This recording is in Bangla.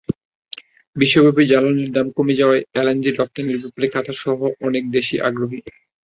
বিশ্বব্যাপী জ্বালানির দাম কমে যাওয়ায় এলএনজি রপ্তানির ব্যাপারে কাতারসহ অনেক দেশই আগ্রহী।